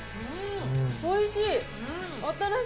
おいしい。